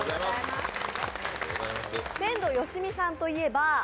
天童よしみさんといえば